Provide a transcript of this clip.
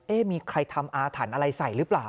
มีใครทำอาถรรพ์อะไรใส่หรือเปล่า